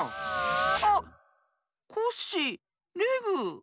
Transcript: あっコッシーレグ。